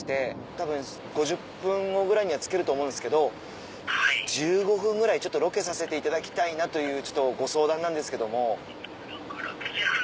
たぶん５０分後ぐらいには着けると思うんですけど１５分ぐらいちょっとロケさせていただきたいなというちょっとご相談なんですけども。